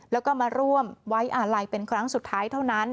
แล้วก็มาร่วมไว้อาลัยเป็นครั้งสุดท้ายเท่านั้น